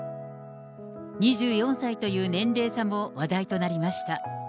２４歳という年齢差も話題となりました。